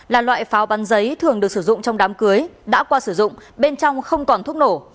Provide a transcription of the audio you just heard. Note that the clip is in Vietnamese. là loại pháo bắn giấy thường được sử dụng trong đám cưới đã qua sử dụng bên trong không còn thuốc nổ